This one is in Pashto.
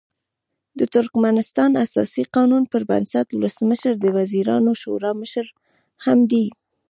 د ترکمنستان اساسي قانون پر بنسټ ولسمشر د وزیرانو شورا مشر هم دی.